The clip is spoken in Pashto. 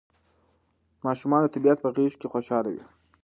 ماشومان د طبیعت په غېږ کې خوشاله وي.